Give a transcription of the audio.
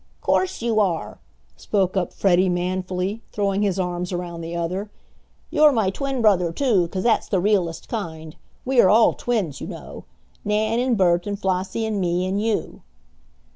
"Course you are!" spoke up Freddie manfully, throwing his arms around the other, "You're my twin brother too, 'cause that's the realest kind. We are all twins, you know Nan and Bert, and Flossie and me and you!"